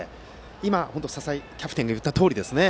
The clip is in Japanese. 今、笹井キャプテンが言ったとおりですね。